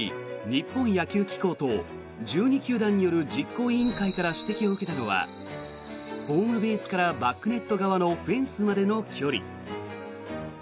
日本野球機構と１２球団による実行委員会から指摘を受けたのはホームベースからバックネット側のフェンスまでの距離。